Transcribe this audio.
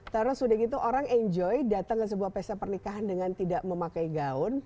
terus udah gitu orang enjoy datang ke sebuah pesta pernikahan dengan tidak memakai gaun